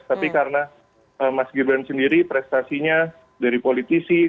tapi karena mas gibran sendiri prestasinya dari politisi